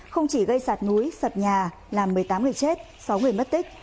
không chỉ gây sạt núi sập nhà làm một mươi tám người chết sáu người mất tích